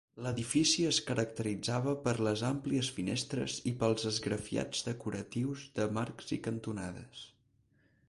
L'edifici es caracteritzava per les àmplies finestres i pels esgrafiats decoratius de marcs i cantonades.